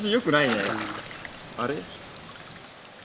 あれ？